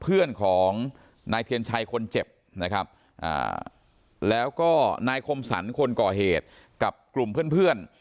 เพื่อนของนายเทียนชัยคนเจ็บนะครับแล้วก็นายคมสรรคนก่อเหตุกับกลุ่มเพื่อน